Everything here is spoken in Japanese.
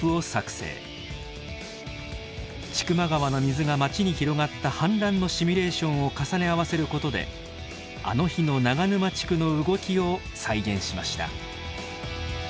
千曲川の水が町に広がった氾濫のシミュレーションを重ね合わせることであの日の長沼地区の動きを再現しました。